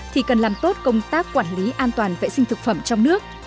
thì cần làm tốt công tác quản lý an toàn vệ sinh thực phẩm trong nước